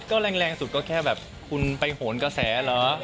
ก็แรงสุดก็แค่แบบคุณไปโหนกระแสเหรอ